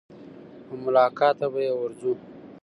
وه ملاقات ته به يې ورځو.